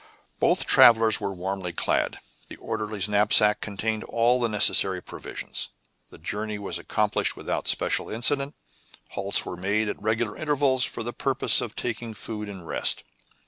Both travelers were warmly clad, the orderly's knapsack containing all the necessary provisions. The journey was accomplished without special incident; halts were made at regular intervals, for the purpose of taking food and rest.